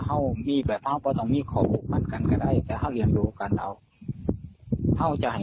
หลงพ่อรู้ข้อมูลได้อย่างไร